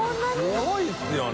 すごいですよね。